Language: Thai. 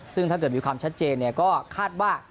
ซึ่งถ้าเกิดมีความชัดเจนก็คาดว่า